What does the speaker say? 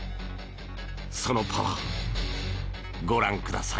そのパワー、ご覧ください！